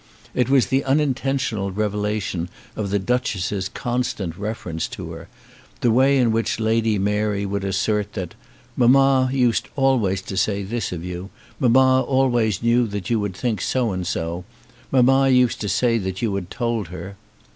It was the unintentional revelation of the Duchess's constant reference to her, the way in which Lady Mary would assert that "Mamma used always to say this of you; mamma always knew that you would think so and so; mamma used to say that you had told her."